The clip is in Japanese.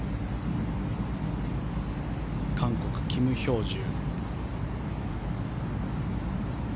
韓国、キム・ヒョージュ。